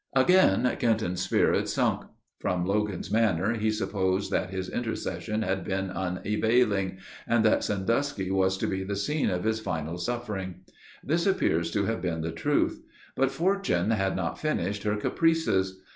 Again Kenton's spirits sunk. From Logan's manner, he supposed that his intercession had been unavailing, and that Sandusky was to be the scene of his final suffering. This appears to have been the truth. But fortune had not finished her caprices.